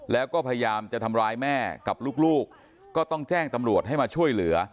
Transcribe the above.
แล้วก็พยายามจะทำร้ายแม่กับลูกก็ต้องแจ้งตำรวจให้มาช่วยเหลือ